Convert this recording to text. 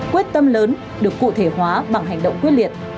quyết tâm lớn được cụ thể hóa bằng hành động quyết liệt